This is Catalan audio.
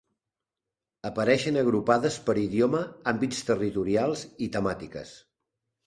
Apareixen agrupades per idioma, àmbits territorials i temàtiques.